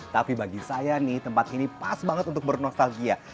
tapi bagi saya nih tempat ini pas banget untuk bernostalgia